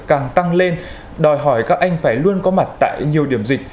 càng tăng lên đòi hỏi các anh phải luôn có mặt tại nhiều điểm dịch